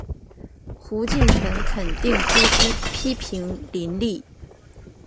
胡晋臣肯定朱熹批评林栗。